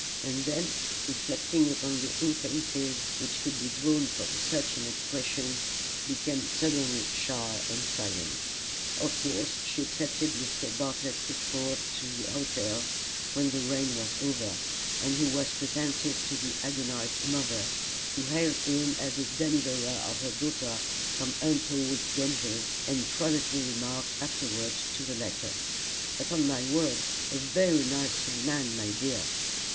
And then, reflecting upon the inferences which could be drawn from such an expression, became suddenly shy and silent. Of course she accepted Mr. Bartlett's escort to the hotel when the rain was over, and he was presented to the agonised mother, who hailed him as a deliverer of her daughter from untold dangers, and privately remarked, afterward, to the latter: "Upon my word, a very nice young man, my dear!"